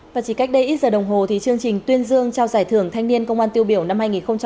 và chỉ cách đây ít giờ đồng hồ thì chương trình tuyên dương trao giải thưởng thanh niên công an tiêu biểu năm hai nghìn hai mươi